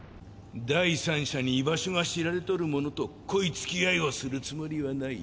第三者に居場所が知られとる者と濃い付き合いをするつもりはない。